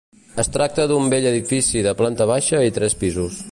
Es tracta d'un vell edifici de planta baixa i tres pisos.